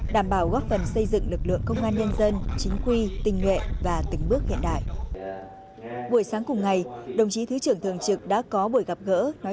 đảm bảo góp phần xây dựng lực lượng công an nhân dân chính quy tinh nguyện và tính bước hiện đại